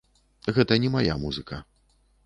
Гэта не мая музыка.